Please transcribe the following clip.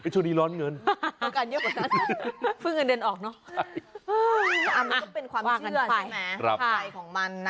ช่วงนี้ร้อนเงินเพิ่งเงินเดินออกเนอะมันก็เป็นความเชื่อใช่ไหม